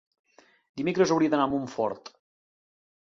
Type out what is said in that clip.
Dimecres hauria d'anar a Montfort.